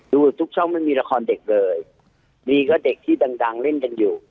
ดูทุกช่องไม่มีละครเด็กเลยดีก็เด็กที่ดังเล่นกันอยู่